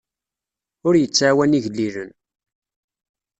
Ur yettɛawan igellilen.